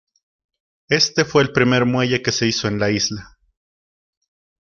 Éste fue el primer muelle que se hizo en la isla.